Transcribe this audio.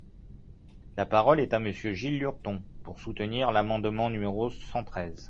La parole est à Monsieur Gilles Lurton, pour soutenir l’amendement numéro cent treize.